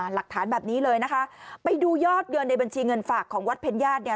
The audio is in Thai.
หลักฐานแบบนี้เลยนะคะไปดูยอดเงินในบัญชีเงินฝากของวัดเพ็ญญาติเนี่ย